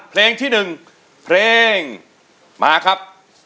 เพลงที่๑เพลงมาครับ